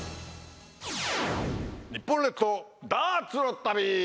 日本列島ダーツの旅。